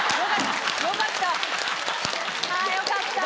あよかった。